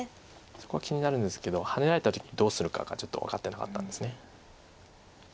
そこが気になるんですけどハネられた時にどうするかがちょっと分かってなかったんです。